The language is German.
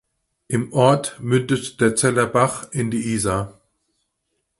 Im Ort mündet der Zeller Bach in die Isar.